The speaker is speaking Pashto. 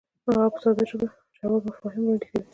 هغه په ساده ژبه ژور مفاهیم وړاندې کوي.